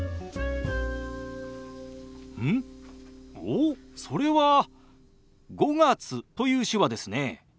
おおそれは「５月」という手話ですね。